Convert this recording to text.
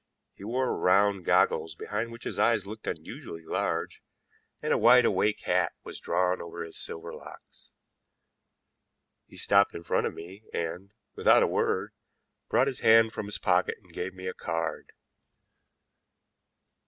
He wore round goggles behind which his eyes looked unusually large, and a wide awake hat was drawn over his silver locks. He stopped in front of me and, without a word, brought his hand from his pocket and gave me a card.